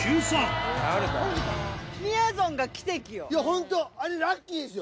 本当あれラッキーですよ。